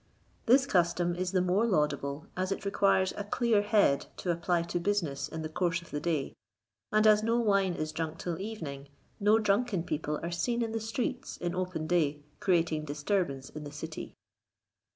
This custom is the more laudable, as it requires a clear head to apply to business in the course of the day; and as no wine is drunk till evening, no drunken people are seen in the streets in open day creating disturbance in the city.